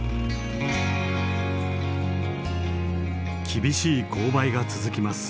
厳しい勾配が続きます。